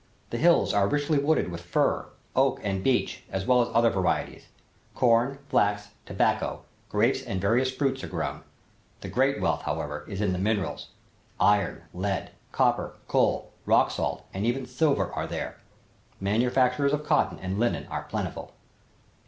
The hills are richly wooded with fir, oak and beech, as well as other varieties. Corn, flax, tobacco, grapes and various fruits are grown. The great wealth, however, is in the minerals. Iron, lead, copper, coal, rock salt and even silver are there. Manufacturers of cotton and linen are plentiful.